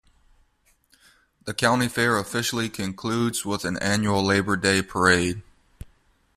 The County Fair officially concludes with an annual Labor Day parade.